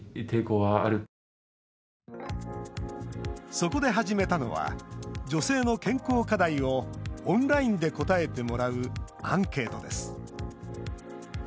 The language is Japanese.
そこで始めたのは女性の健康課題をオンラインで答えてもらうアンケートです。